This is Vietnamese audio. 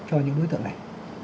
cho những đối tượng này